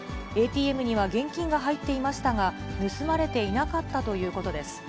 ＡＴＭには現金が入っていましたが、盗まれていなかったということです。